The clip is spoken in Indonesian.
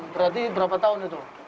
berarti berapa tahun